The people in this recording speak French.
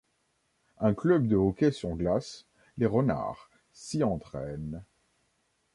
Un club de hockey sur glace - Les Renards - s'y entraine.